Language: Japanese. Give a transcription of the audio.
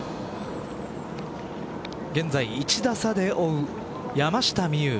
現在１打差で追う山下美夢有。